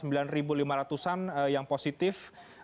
mencapai angka sembilan ribu lima ratus an yang positif